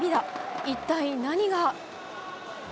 一体、何が？